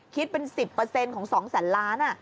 คิดเป็น๑๐ของ๒แสนล้าน